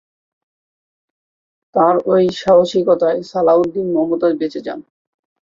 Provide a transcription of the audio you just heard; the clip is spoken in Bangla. তার ওই সাহসিকতায় সালাহউদ্দিন মমতাজ বেঁচে যান।